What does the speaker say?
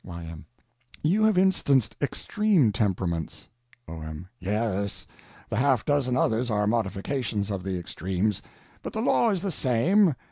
Y.M. You have instanced extreme temperaments. O.M. Yes, the half dozen others are modifications of the extremes. But the law is the same.